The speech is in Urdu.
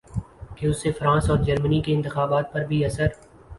کہ اس سے فرانس ا ور جرمنی کے انتخابات پر بھی اثر